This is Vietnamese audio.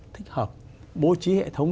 thích hợp bố trí hệ thống